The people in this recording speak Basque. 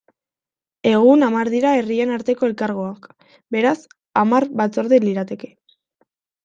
Egun hamar dira herrien arteko elkargoak, beraz, hamar batzorde lirateke.